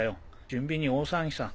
準備に大騒ぎさ。